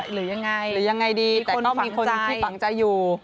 หรือยังไงหรือยังไงดีแต่ก็มีคนที่ฝังใจอยู่